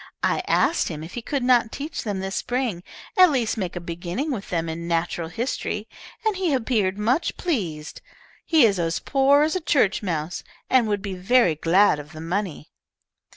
I asked him if he could not teach them this spring, at least make a beginning with them in natural history, and he appeared much pleased. He is as poor as a church mouse, and would be very glad of the money."